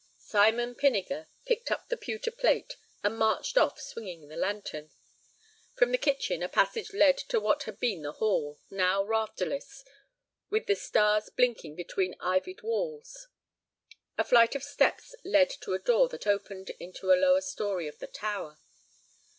Simon Pinniger picked up the pewter plate and marched off swinging the lantern. From the kitchen a passage led to what had been the hall, now rafterless, with the stars blinking between ivied walls. A flight of steps led to a door that opened into the lower story of the tower.